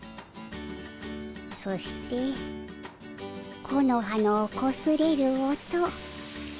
そして木の葉のこすれる音。